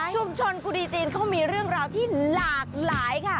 กุดีจีนเขามีเรื่องราวที่หลากหลายค่ะ